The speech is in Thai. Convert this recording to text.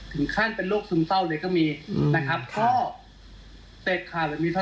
ก็อยากจะไปจอดอะไรกับใครมาก